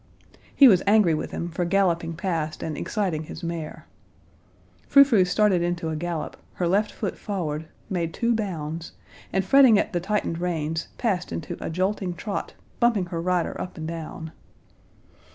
He was angry with him for galloping past and exciting his mare. Frou Frou started into a gallop, her left foot forward, made two bounds, and fretting at the tightened reins, passed into a jolting trot, bumping her rider up and down.